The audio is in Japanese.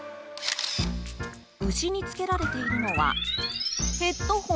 牛に着けられているのはヘッドホン？